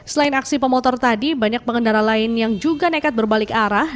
selain aksi pemotor tadi banyak pengendara lain yang juga nekat berbalik arah